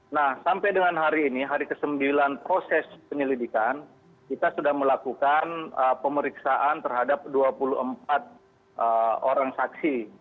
nah sampai dengan hari ini hari ke sembilan proses penyelidikan kita sudah melakukan pemeriksaan terhadap dua puluh empat orang saksi